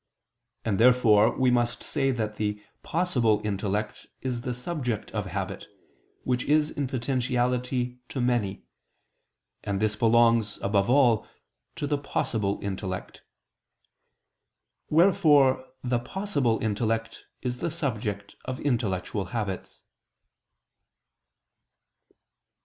And therefore we must say that the "possible" intellect is the subject of habit, which is in potentiality to many: and this belongs, above all, to the "possible" intellect. Wherefore the "possible" intellect is the subject of intellectual habits.